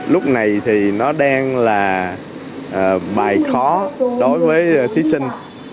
lúc này thì nó đang là bài khó đối với thí sinh